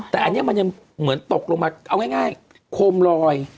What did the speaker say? แต่อันนี้มันยังเหมือนตกลงมาเอาง่ายโคมลอย